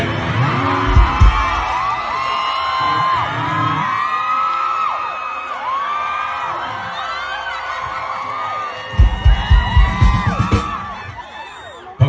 ขอบคุณมาก